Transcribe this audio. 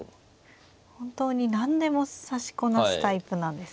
本当に何でも指しこなすタイプなんですね。